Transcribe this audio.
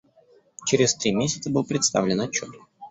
Через три месяца был представлен отчет.